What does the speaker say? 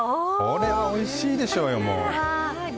これはおいしいでしょうよ。